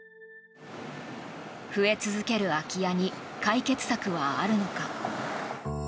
増え続ける空き家に解決策はあるのか。